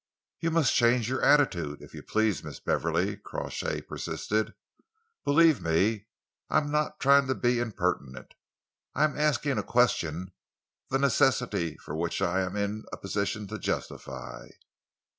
"You must change your attitude, if you please, Miss Beverley," Crawshay persisted. "Believe me, I am not trying to be impertinent. I am asking a question the necessity for which I am in a position to justify."